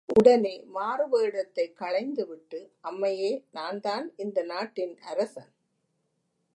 உடனே, மாறுவேடத்தைக் களைந்துவிட்டு, அம்மையே நான்தான் இந்த நாட்டின் அரசன்!